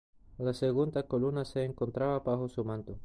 La segunda columna se encontraba bajo su mando.